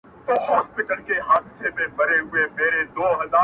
فاصله مو ده له مځکي تر تر اسمانه!